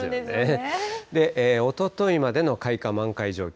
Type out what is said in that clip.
で、おとといまでの開花、満開状況。